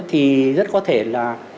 thì rất có thể là